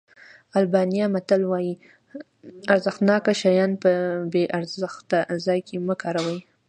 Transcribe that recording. آلبانیا متل وایي ارزښتناک شیان په بې ارزښته ځای کې مه کاروئ.